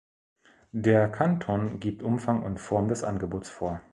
Der Kanton gibt Umfang und Form des Angebots vor.